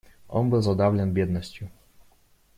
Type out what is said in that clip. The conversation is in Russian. Он был задавлен бедностью.